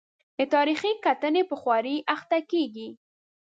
د تاریخي کتنې په خوارۍ اخته کېږي.